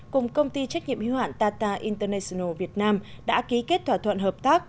cùng công ty trách nhiệm hi hoạn tata international việt nam đã ký kết thỏa thuận hợp tác